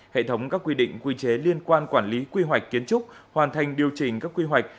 hệ thống các quy định quy chế liên quan quản lý quy hoạch kiến trúc hoàn thành điều chỉnh các quy hoạch